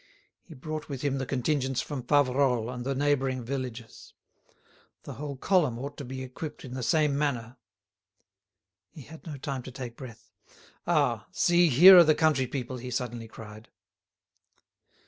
He brought with him the contingents from Faverolles and the neighbouring villages. The whole column ought to be equipped in the same manner." He had no time to take breath. "Ah! see, here are the country people!" he suddenly cried.